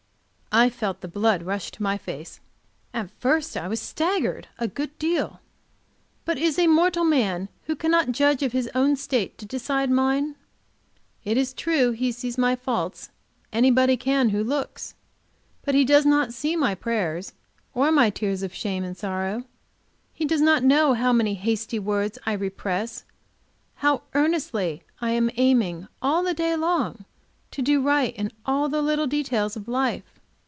I felt the blood rush to my face. At first I was staggered a good deal. But is a mortal man who cannot judge of his own state to decide mine? It is true he sees my faults; anybody can, who looks. But he does not see my prayers, or my tears of shame and sorrow; he does not know how many hasty words I repress; how earnestly I am aiming, all the day long, to do right in all the little details of life.